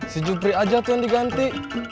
si jupri aja tuh yang diganti